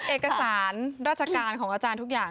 เอกสารราชการของอาจารย์ทุกอย่าง